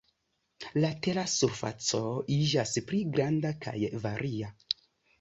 La tera surfaco iĝas pli granda kaj varia.